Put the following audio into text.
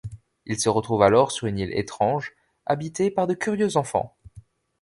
Ils se retrouvent alors sur une île étrange, habité par de curieux enfants...